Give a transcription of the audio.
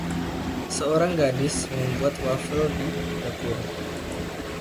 Seorang gadis membuat wafel di dapur.